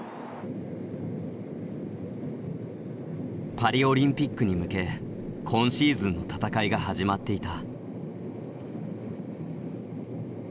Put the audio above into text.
パリオリンピックに向け今シーズンの戦いが始まっていた。